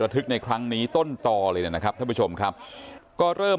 ทึกในครั้งนี้ต้นตอเลยนะครับท่านผู้ชมครับก็เริ่ม